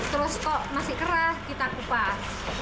terus kok masih keras kita kupas